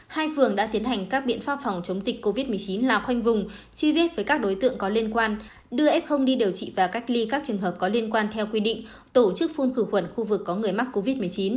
hai phường đã tiến hành các biện pháp phòng chống dịch covid một mươi chín là khoanh vùng truy vết với các đối tượng có liên quan đưa f đi điều trị và cách ly các trường hợp có liên quan theo quy định tổ chức phun khử khuẩn khu vực có người mắc covid một mươi chín